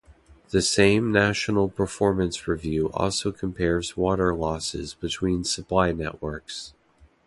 The same National Performance Review also compares water losses between supply networks.